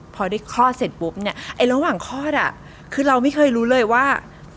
พอได้คลอดเสร็จปุ๊บเนี่ยไอ้ระหว่างคลอดอ่ะคือเราไม่เคยรู้เลยว่า